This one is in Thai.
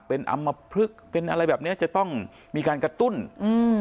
เป็นอำมพลึกเป็นอะไรแบบเนี้ยจะต้องมีการกระตุ้นอืม